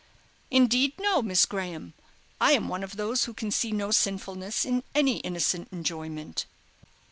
"Indeed, no, Miss Graham. I am one of those who can see no sinfulness in any innocent enjoyment."